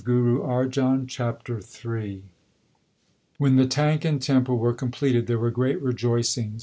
2 CHAPTER III When the tank and temple were completed there were great rejoicings.